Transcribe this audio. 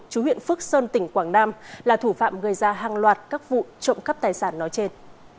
chú huyện phước sơn tỉnh quảng nam là thủ phạm gây ra hàng loạt các vụ trộm cắp tài sản nói trên